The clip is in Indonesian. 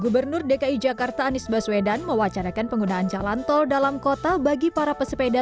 gubernur dki jakarta anies baswedan mewacanakan penggunaan jalan tol dalam kota bagi para pesepeda